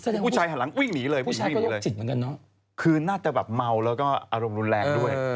ออกแสดงว่าผู้ชายก็โลกจิตเหมือนกันเนอะคืนน่าจะแบบเมาแล้วก็อารมณ์รุนแรงด้วย